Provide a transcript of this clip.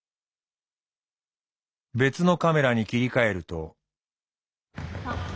別のカメラに切り替えると。